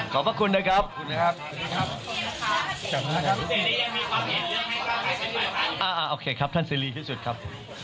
ขอบพระคุณนะครับ